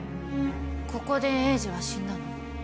ここで栄治は死んだの？